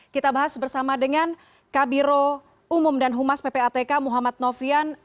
kita bahas bersama dengan kabiro umum dan humas ppatk muhammad nofian